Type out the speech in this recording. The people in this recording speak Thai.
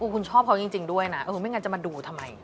คุณชอบเขาจริงด้วยนะไม่งั้นจะมาดูทำไม